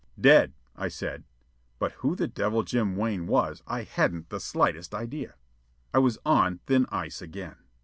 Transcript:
"Dead," I said; but who the devil Jim Wan was I hadn't the slightest idea. I was on thin ice again.